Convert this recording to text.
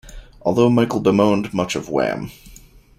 Although Michael bemoaned much of Wham!